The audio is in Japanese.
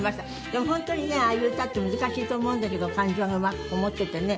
でも本当にねああいう歌って難しいと思うんだけど感情がうまくこもっていてね。